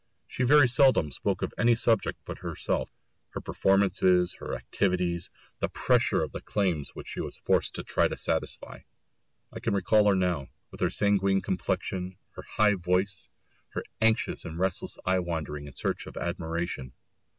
She very seldom spoke of any subject but herself, her performances, her activities, the pressure of the claims which she was forced to try to satisfy. I can recall her now, with her sanguine complexion, her high voice, her anxious and restless eye wandering in search of admiration.